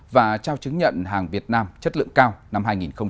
và trao chứng nhận hàng việt nam chất lượng cao năm hai nghìn hai mươi